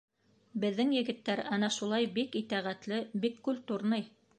Беҙҙең егеттәр ана шулай бик итәғәтле, бик культурный.